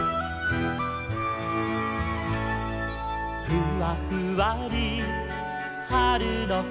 「ふわふわりはるのかぜ」